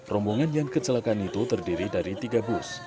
rombongan yang kecelakaan itu terdiri dari tiga bus